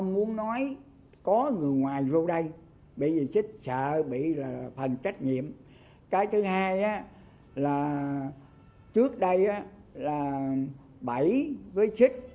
một cách nhỏ dọt